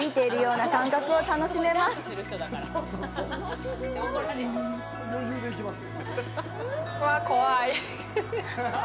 うわ、怖い。